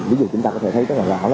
ví dụ chúng ta có thể thấy rất là rõ